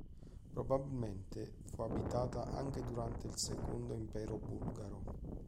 Probabilmente, fu abitata anche durante il Secondo Impero Bulgaro.